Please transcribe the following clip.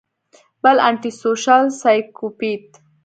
بل انټي سوشل سايکوپېت